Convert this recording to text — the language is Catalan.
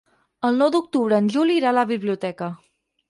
El nou d'octubre en Juli irà a la biblioteca.